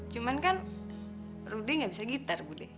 cuma kan rudy gak bisa gitar budi